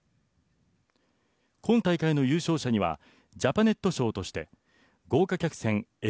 今大会の優勝者にはジャパネット賞として豪華客船